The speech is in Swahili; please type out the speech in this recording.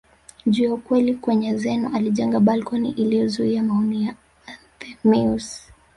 juu ya ukweli kwamba Zeno alijenga balcony iliyozuia maoni ya Anthemius